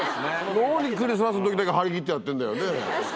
何クリスマスの時だけ張り切ってやってんだよね。